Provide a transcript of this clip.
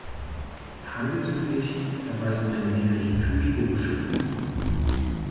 Handelt es sich dabei um eine geringfügige Beschäftigung?